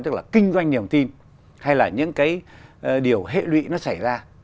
tức là kinh doanh niềm tin hay là những cái điều hệ lụy nó xảy ra